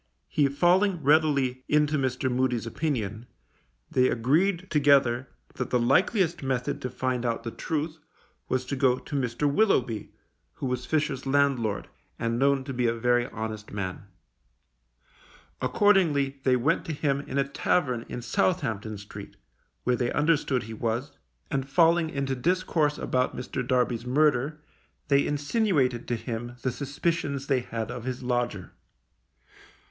He falling readily into Mr. Moody's opinion, they agreed together that the likeliest method to find out the truth was to go to Mr. Willoughby, who was Fisher's landlord, and known to be a very honest man. Accordingly they went to him in a tavern in Southampton Street, where they understood he was, and falling into discourse about Mr. Darby's murder, they insinuated to him the suspicions they had of his lodger.